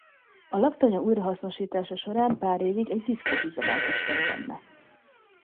A laktanya újrahasznosítása során pár évig egy diszkót üzemeltettek benne.